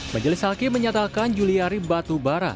majelis hakim menyatakan juliari batubara